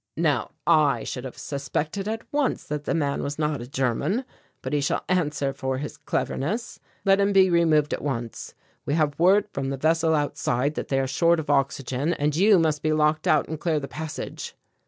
"Now I should have suspected at once that the man was not a German. But he shall answer for his cleverness. Let him be removed at once. We have word from the vessel outside that they are short of oxygen, and you must be locked out and clear the passage."